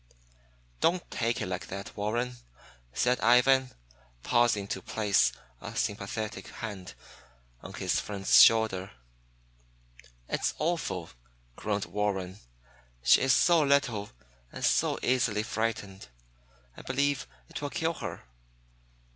"Don't' take it like that, Warren," said Ivan, pausing to place a sympathetic hand on his friend's shoulder. "It is awful!" groaned Warren. "She is so little, and so easily frightened. I believe it will kill her."